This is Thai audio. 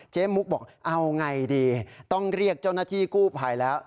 มุกบอกเอาไงดีต้องเรียกเจ้าหน้าที่กู้ภัยแล้ว